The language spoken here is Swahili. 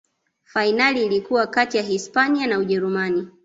fainali ilikuwa kati ya hispania na ujerumani